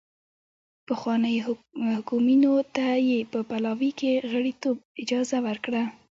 پخوانیو محکومینو ته یې په پلاوي کې غړیتوب اجازه ورکړه.